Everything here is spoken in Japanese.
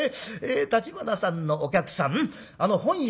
『橘さんのお客さんあの本屋の善公は』。